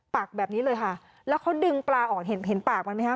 ปากแบบนี้เลยค่ะแล้วเขาดึงปลาออกเห็นเห็นปากมันไหมคะ